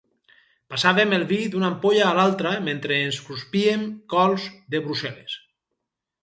Passàvem el vi d'una ampolla a l'altra, mentre ens cruspíem cols de Brussel·les.